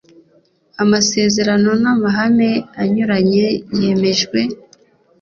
amasezerano n’ amahame anyuranye yemejwe.